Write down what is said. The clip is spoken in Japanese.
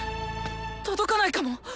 届かないかも。